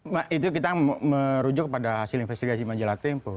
jadi itu kita merujuk pada hasil investigasi majalah tempo